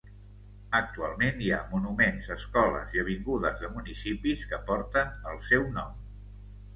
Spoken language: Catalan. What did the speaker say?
Actualment, hi ha monuments, escoles i avingudes de municipis que porten el seu nom.